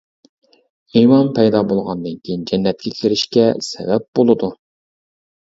ئىمان پەيدا بولغاندىن كېيىن جەننەتكە كىرىشكە سەۋەب بولىدۇ.